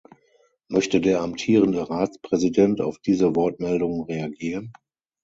Möchte der amtierende Ratspräsident auf diese Wortmeldung reagieren?